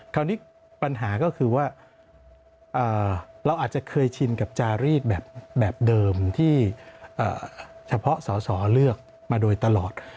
คราวนี้ปัญหาก็คือว่าเราอาจจะเคยชินกับจารีดแบบเดิมที่เฉพาะสอสอเลือกมาโดยตลอด